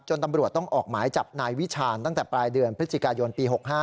ตำรวจต้องออกหมายจับนายวิชาณตั้งแต่ปลายเดือนพฤศจิกายนปี๖๕